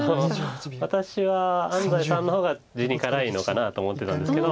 私は安斎さんの方が地に辛いのかなと思ってたんですけど。